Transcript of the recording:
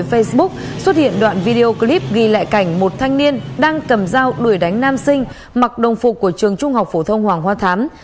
facebook xuất hiện đoạn video clip ghi lại cảnh một thanh niên đang cầm dao đuổi đánh nam sinh mặc đồng phục của trường trung học phổ thông hoàng hoa thám